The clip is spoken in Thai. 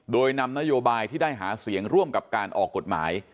โดยนำนโยบายที่ได้หาเสียงร่วมกับการออกกฎหมาย